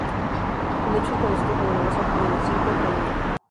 El hecho es conocido como la Masacre del cinco por uno.